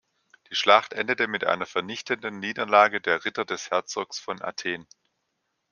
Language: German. Die Schlacht endete mit einer vernichtenden Niederlage der Ritter des Herzogs von Athen.